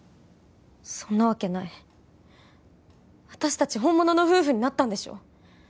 そんなわけない私達本物の夫婦になったんでしょ